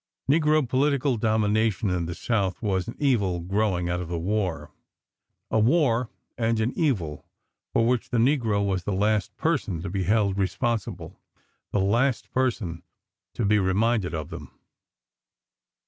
Negro political domination in the South was an evil growing out of the war—a war and an evil for which the negro was the last person to be held responsible, the last person to be reminded of them.